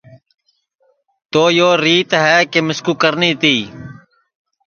تو یو ریت ہے مِسکُو کرنی تی